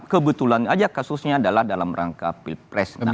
kebetulan saja kasusnya adalah dalam rangka pilpres